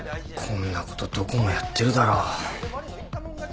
こんなことどこもやってるだろ。